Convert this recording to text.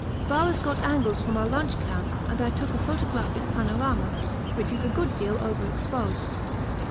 Bowers got angles from our lunch camp and I took a photographic panorama, which is a good deal over exposed.